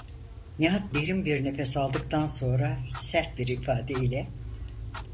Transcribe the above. Nihat derin bir nefes aldıktan sonra sert bir ifade ile: